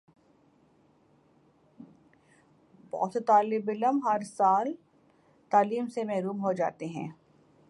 بہت سے طالب علم ہر سال تعلیم سے محروم ہو جاتے ہیں